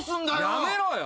やめろよ！